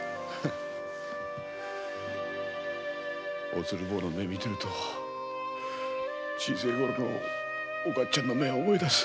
おつる坊の目を見ていると小さいころのおかつさんの目を思い出す。